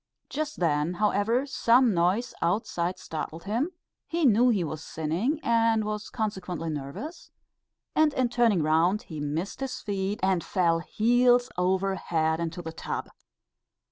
Just then, however, some noise outside startled him, he knew he was sinning, and was consequently nervous, and in turning round, he missed his feet, and fell heels over head into the tub.